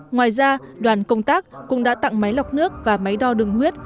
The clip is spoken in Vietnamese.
ngoài ra đoàn công tác cũng đã tặng máy lọc nước và máy đo đường huyết